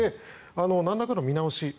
なんらかの見直し